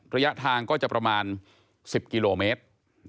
ระยะทางก็จะประมาณ๑๐กิโลเมตร